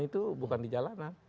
itu bukan dijalankan